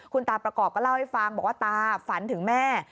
คุณตาประกอบก็เล่าให้ฟังบอกว่าตาฝันถึงแม่